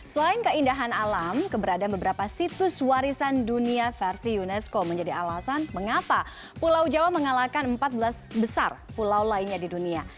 selain keindahan alam keberadaan beberapa situs warisan dunia versi unesco menjadi alasan mengapa pulau jawa mengalahkan empat belas besar pulau lainnya di dunia